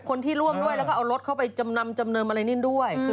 คนที่ร่วมด้วยแล้วก็เอารถเข้าไปจำนำจำเนิมอะไรนี่ด้วย